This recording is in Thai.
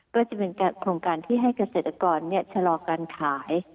ก็จะเป็นโครงการที่ให้เกษตรกรชะลอการขาย